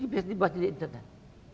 biasanya dibaca di internet